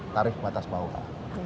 tarif batas maupun